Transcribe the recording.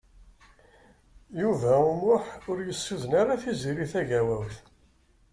Yuba U Muḥ ur yessuden ara Tiziri Tagawawt.